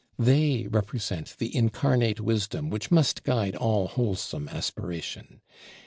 They represent the incarnate wisdom which must guide all wholesome aspiration.